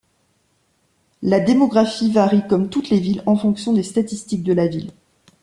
La démographie varie comme toutes les villes, en fonction des statistiques de la ville.